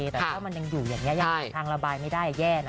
แต่ถ้ามันยังอยู่อย่างนี้ยังหาทางระบายไม่ได้แย่นะ